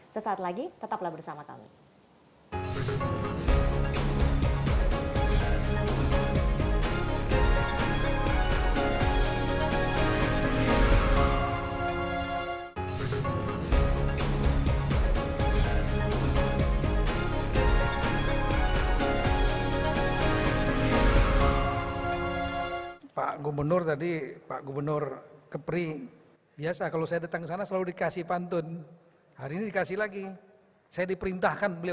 sesaat lagi tetaplah bersama kami